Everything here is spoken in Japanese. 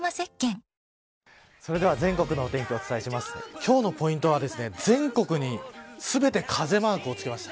今日のポイントは、全国に全て風マークを付けました。